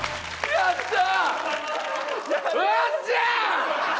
よっしゃー！